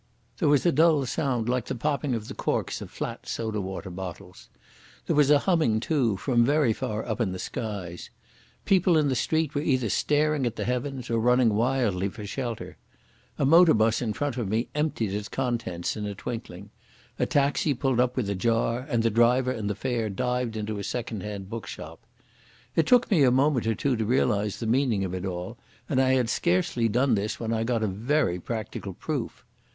There was a dull sound like the popping of the corks of flat soda water bottles. There was a humming, too, from very far up in the skies. People in the street were either staring at the heavens or running wildly for shelter. A motor bus in front of me emptied its contents in a twinkling; a taxi pulled up with a jar and the driver and fare dived into a second hand bookshop. It took me a moment or two to realise the meaning of it all, and I had scarcely done this when I got a very practical proof.